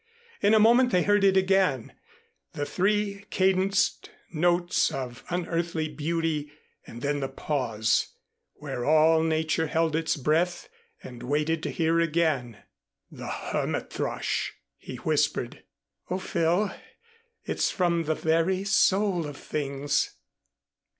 In a moment they heard it again, the three cadenced notes of unearthly beauty and then the pause, while all nature held its breath and waited to hear again. "The hermit thrush," he whispered. "Oh, Phil. It's from the very soul of things."